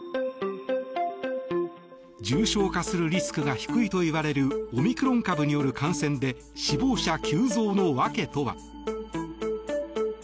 重症化するリスクが低いといわれるオミクロン株による感染で死亡者急増の訳とは。